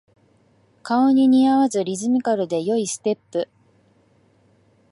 顔に似合わずリズミカルで良いステップ